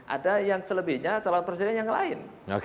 ada yang selebihnya calon presiden yang lain